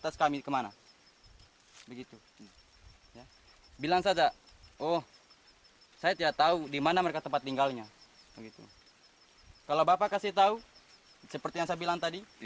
seperti yang saya bilang tadi